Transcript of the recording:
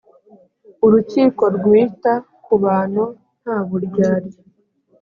urukiko rwita ku bantu nta buryarya